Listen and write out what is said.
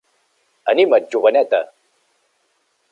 Anima't, joveneta!